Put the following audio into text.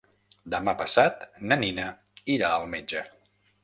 Demà passat na Nina irà al metge.